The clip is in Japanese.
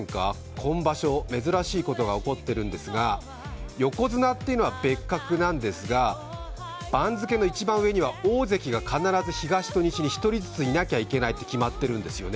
今場所、珍しいことが起こっているんですが、横綱というのは別格なんですが番付の一番上には大関が必ず東と西に１人ずついないといけないって決まっているんですよね。